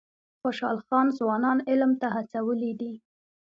خوشحال خان ځوانان علم ته هڅولي دي.